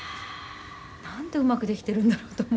「なんてうまくできているんだろうと思う」